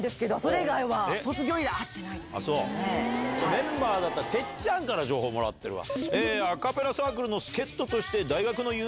メンバーだったてっちゃんから情報もらってるわ。